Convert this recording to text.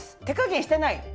手加減してない。